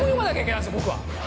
僕は。